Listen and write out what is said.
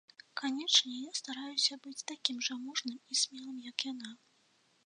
Канечне, я стараюся быць такім жа мужным і смелым, як яна.